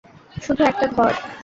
শুধু একটা ঘর?